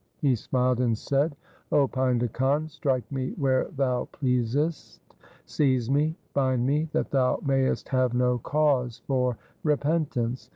He smiled and said, ' O Painda Khan, strike me where thou pleasest, seize me, bind me, that thou mayest have no cause for repentance.